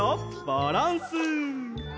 バランス！